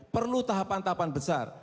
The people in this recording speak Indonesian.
perlu tahapan tahapan besar